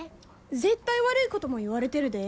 絶対悪いことも言われてるで。